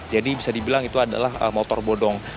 jadi bisa dibilang itu adalah motor bodong